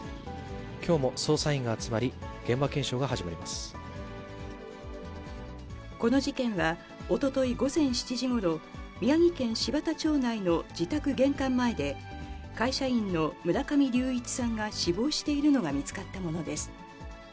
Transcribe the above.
きょうも捜査員が集まり、この事件は、おととい午前７時ごろ、宮城県柴田町内の自宅玄関前で、会社員の村上隆一さんが死亡しているのが見つかったものです。